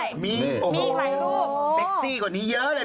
เฟ็กซี่ให้กว่านี้เยอะเลยเลย